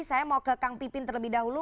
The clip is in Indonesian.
saya mau ke kang pipin terlebih dahulu